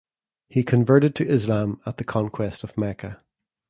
He converted to Islam at the Conquest of Mecca.